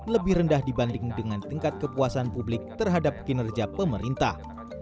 lebih rendah dibanding dengan tingkat kepuasan publik terhadap kinerja pemerintah